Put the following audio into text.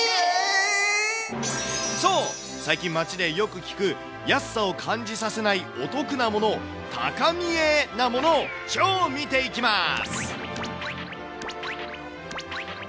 そう、最近、街でよく聞く、安さを感じさせないお得なもの、高見えなものを超見ていきます。